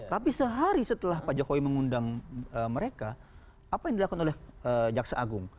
tapi sehari setelah pak jokowi mengundang mereka apa yang dilakukan oleh jaksa agung